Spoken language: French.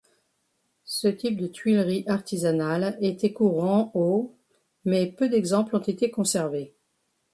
Ce type de tuilerie artisanale était courant au mais peu d'exemples ont été conservés.